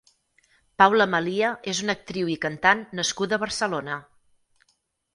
Paula Malia és una actriu i cantant nascuda a Barcelona.